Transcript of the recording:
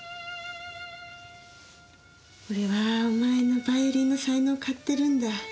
「俺はお前のバイオリンの才能を買ってるんだ」。